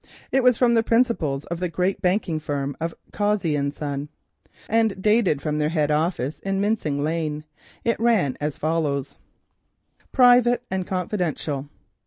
It was from the principals of the great banking firm of Cossey and Son, and dated from their head office in Mincing lane. This letter ran as follows: "Private and confidential.